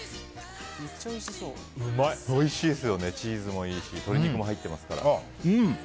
おいしいですよねチーズもいいし鶏肉も入ってますから。